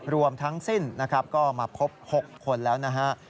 รวมทั้งสิ้นนะครับก็มาพบ๖คนแล้วนะฮะ